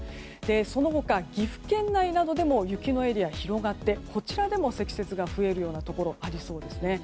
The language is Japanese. その他、岐阜県内などでも雪のエリア、広がってこちらでも積雪が増えるようなところありそうですね。